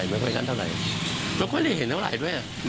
และเขาแทนเท่าไหร่ด้วย